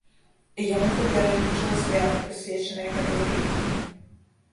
Яму папярэднічала свята, прысвечанае гэтай рыбіне.